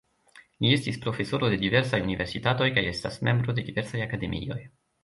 Li estis profesoro de diversaj universitatoj kaj estas membro de diversaj akademioj.